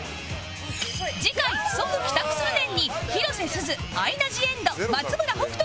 次回「即帰宅するねん」に広瀬すずアイナ・ジ・エンド松村北斗が参戦！